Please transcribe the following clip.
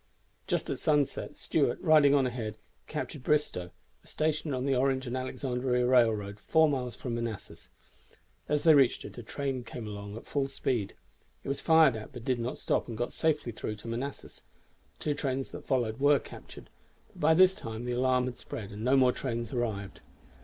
Just at sunset, Stuart, riding on ahead, captured Bristoe, a station on the Orange and Alexandria Railroad four miles from Manassas. As they reached it a train came along at full speed. It was fired at, but did not stop, and got safely through to Manassas. Two trains that followed were captured; but by this time the alarm had spread, and no more trains arrived.